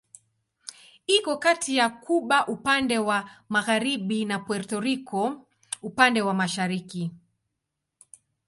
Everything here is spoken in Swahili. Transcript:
Iko kati ya Kuba upande wa magharibi na Puerto Rico upande wa mashariki.